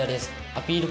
アピール